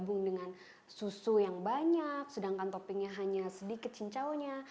namun toppingnya sudah digabung dengan susu yang banyak sedangkan toppingnya hanya sedikit cincaunya